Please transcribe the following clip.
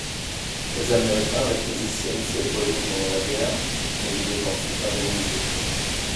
Les Américains réquisitionnent ses brevets pendant la guerre, mais il est ensuite indemnisé.